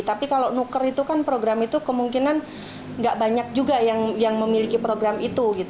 tapi kalau nuker itu kan program itu kemungkinan nggak banyak juga yang memiliki program itu